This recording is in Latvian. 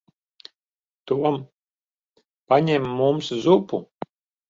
Tom. Paņem mums zupu.